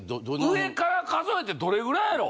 上から数えてどれぐらいやろ？